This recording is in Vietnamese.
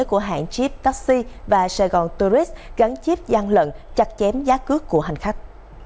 của hãng jeep taxi và saigon tourist gắn jeep gian lận chặt chém giá cước của hành khách